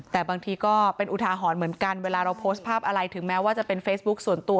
แต่บางทีก็เป็นอุทาหรณ์เหมือนกันเวลาเราโพสต์ภาพอะไรถึงแม้ว่าจะเป็นเฟซบุ๊คส่วนตัว